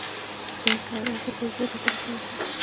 د احضار او بل ځای ته د لیږلو پر مهال.